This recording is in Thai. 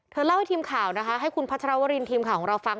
เล่าให้ทีมข่าวนะคะให้คุณพัชรวรินทีมข่าวของเราฟัง